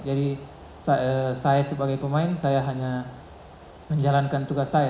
jadi saya sebagai pemain saya hanya menjalankan tugas saya